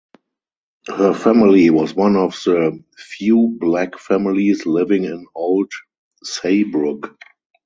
Her family was one of the few Black families living in Old Saybrook.